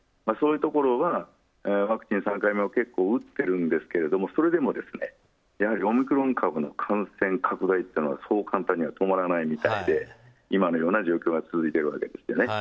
そういうところはワクチン３回目を結構打っているんですけどそれでもやはりオミクロン株の感染拡大というのはそう簡単には止まらないみたいで今のような状況が続いているわけです。